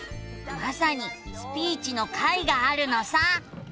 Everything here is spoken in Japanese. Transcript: まさに「スピーチ」の回があるのさ。